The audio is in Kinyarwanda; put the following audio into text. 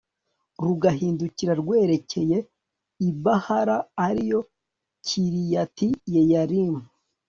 rugahindukira rwerekera i bahala, ari yo kiriyati yeyarimu